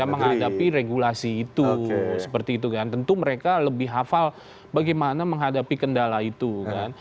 menghadapi regulasi itu seperti itu kan tentu mereka lebih hafal bagaimana menghadapi kendala itu kan